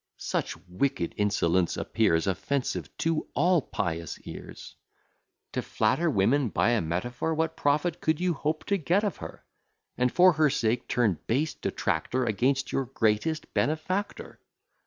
Such wicked insolence appears Offensive to all pious ears. To flatter women by a metaphor! What profit could you hope to get of her? And, for her sake, turn base detractor Against your greatest benefactor.